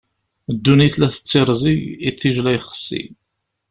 Ddunit la tettirẓig, iṭij la ixeṣṣi.